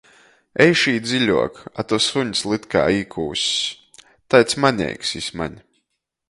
Ej šī dziļuok, a to suņs lytkā īkūss! Taids maneigs jis maņ.